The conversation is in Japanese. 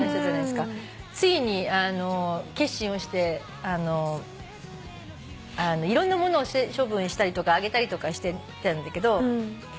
ついに決心をしていろんな物を処分したりとかあげたりとかしてたんだけど。